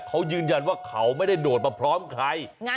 เขายืนยันว่าเขาไม่ได้โดดมาพร้อมใคร